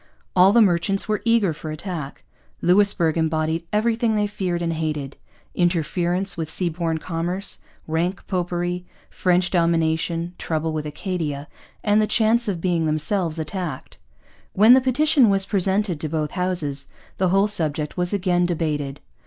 All the merchants were eager for attack. Louisbourg embodied everything they feared and hated: interference with seaborne commerce, rank popery, French domination, trouble with Acadia, and the chance of being themselves attacked. When the petition was presented to both Houses, the whole subject was again debated.